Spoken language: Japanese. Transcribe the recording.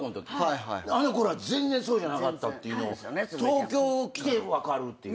あの頃は全然そうじゃなかったっていうのを東京来て分かるっていうか。